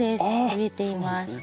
植えています。